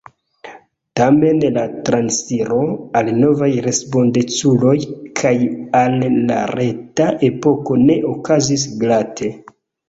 Tamen la transiro al novaj respondeculoj kaj al la reta epoko ne okazis glate.